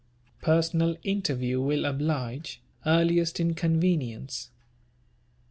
Personal interview will oblige, earliest inconvenience.